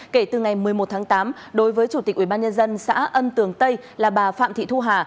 kể từ ngày một mươi một tháng tám đối với chủ tịch ubnd xã ân tường tây là bà phạm thị thu hà